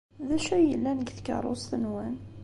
D acu ay yellan deg tkeṛṛust-nwen?